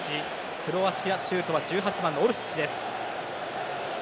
クロアチア、シュートは１８番のオルシッチです。